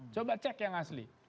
coba cek yang asli